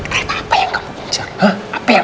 reva apa yang kamu mencari